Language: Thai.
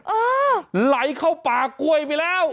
อ่อวุ่ยไหลเข้าปากกล้วยไปแล้ว